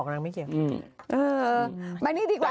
มานี่ดีกว่า